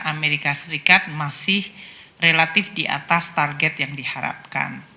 amerika serikat masih relatif di atas target yang diharapkan